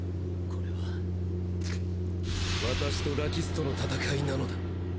これは私とラキストの戦いなのだ。